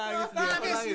nangis dia pak